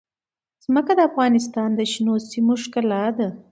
ځمکه د افغانستان د شنو سیمو ښکلا ده.